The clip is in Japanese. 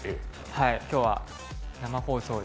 今日は生放送で。